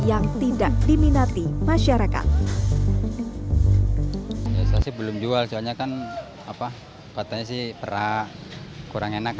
yang tidak diminati masyarakat belum jual soalnya kan apa katanya sih perak kurang enak